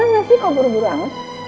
rum mau kemana sih kok buru buru angg